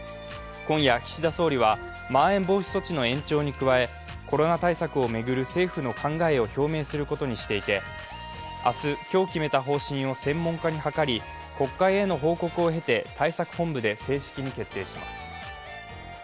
今夜、岸田総理は、まん延防止措置の延長に加え、コロナ対策を巡る政府の考えを表明することにしていて明日、今日決めた方針を専門家に諮り国会への報告を経て対策本部で正式に決定します。